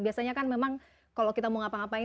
biasanya kan memang kalau kita mau ngapa ngapain